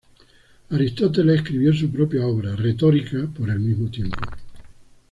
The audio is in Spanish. Aristóteles escribió su propia obra, "Retórica", por el mismo tiempo.